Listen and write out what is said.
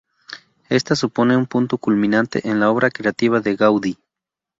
Ésta supone un punto culminante en la obra creativa de Gaudí.